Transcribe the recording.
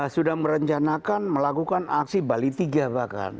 sudah merencanakan melakukan aksi bali tiga bahkan